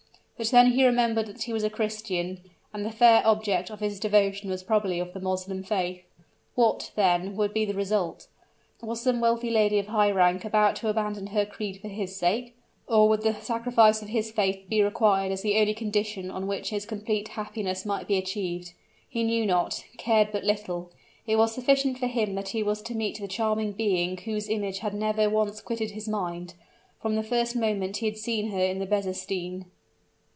But then he remembered that he was a Christian, and the fair object of his devotion was probably of the Moslem faith. What, then, would be the result? Was some wealthy lady of high rank about to abandon her creed for his sake? or would the sacrifice of his faith be required as the only condition on which his complete happiness might be achieved? He knew not cared but little; it was sufficient for him that he was to meet the charming being whose image had never once quitted his mind, from the first moment he had seen her in the bezestein!